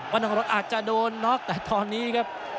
น้องรถอาจจะโดนน็อกแต่ตอนนี้ครับ